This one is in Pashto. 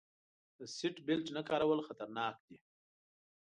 د سیټ بیلټ نه کارول خطرناک دي.